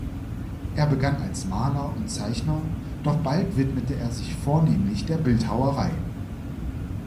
Er begann als Maler und Zeichner, doch bald widmete er sich vornehmlich der Bildhauerei.